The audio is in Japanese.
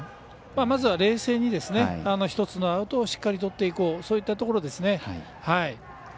まずは冷静に１つのアウトをしっかり取っていこうそういったところですね。